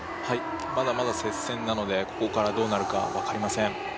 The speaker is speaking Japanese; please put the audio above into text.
まだまだ接戦なので、ここからどうなるか分かりません。